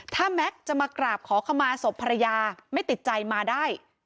ถ้าแม็กซ์จะมากราบขอขมาศพภรรยาไม่ติดใจมาได้